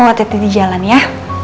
kamu ati ati di jalan ya